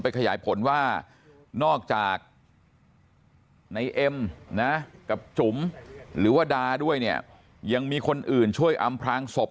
ขยายผลว่านอกจากในเอ็มนะกับจุ๋มหรือว่าดาด้วยเนี่ยยังมีคนอื่นช่วยอำพลางศพ